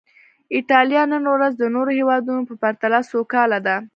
ایټالیا نن ورځ د نورو هېوادونو په پرتله سوکاله ده.